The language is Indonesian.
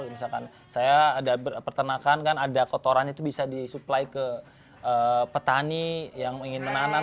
misalkan saya ada peternakan kan ada kotoran itu bisa disuplai ke petani yang ingin menanam